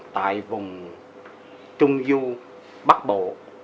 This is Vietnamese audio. tại vùng trung du bắc bộ